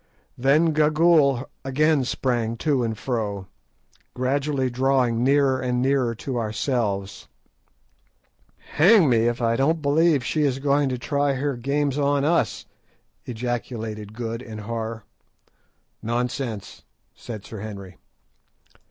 Then Gagool again sprang to and fro, gradually drawing nearer and nearer to ourselves. "Hang me if I don't believe she is going to try her games on us," ejaculated Good in horror. "Nonsense!" said Sir Henry.